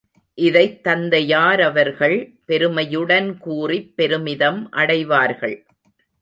இதைத் தந்தையாரவர்கள் பெருமையுடன் கூறிப் பெருமிதம் அடைவார்கள்.